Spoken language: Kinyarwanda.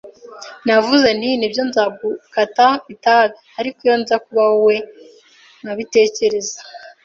Navuze nti: “Nibyo, nzagukata itabi, ariko iyo nza kuba wowe nkabitekereza